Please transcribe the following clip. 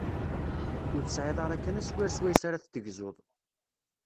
Ur tesɛiḍ ara kan aswir swayes ara t-tegzuḍ.